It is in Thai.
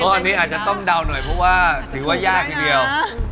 อันนี้อาจจะต้องเดาหน่อยเพราะว่าถือว่ายากทีเดียว